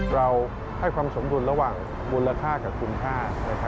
เราให้ความสมดุลระหว่างมูลค่ากับคุณค่า